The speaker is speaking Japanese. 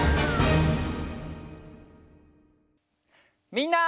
みんな。